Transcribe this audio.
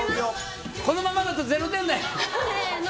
このままだと０点だよ。